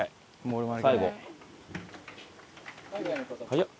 早っ！